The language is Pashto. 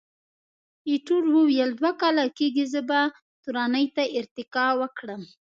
ایټور وویل، دوه کاله کېږي، زه به تورنۍ ته ارتقا وکړم.